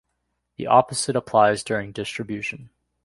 The opposite applies during distribution.